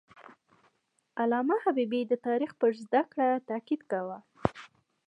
علامه حبیبي د تاریخ پر زده کړه تاکید کاوه.